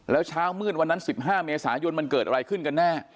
แล้วเช้ามืดวันนั้น๑๕เมษายนมันเกิดอะไรขึ้นกันแน่